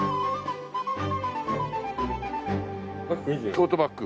トートバッグ？